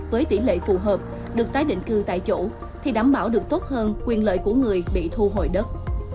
với tỷ lệ phù hợp được tái định cư tại chỗ thì đảm bảo được tốt hơn quyền lợi của người bị thu hồi đất